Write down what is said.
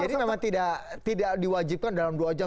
jadi namanya tidak diwajibkan dalam dua jam tiga jam